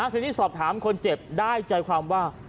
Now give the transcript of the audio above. ทีนี้สอบถามคนเจ็บได้ใจความว่า